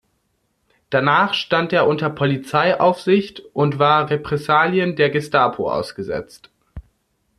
Danach stand er unter Polizeiaufsicht und war Repressalien der Gestapo ausgesetzt.